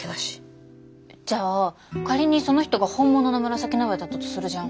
じゃあ仮にその人が本物の紫の上だったとするじゃん。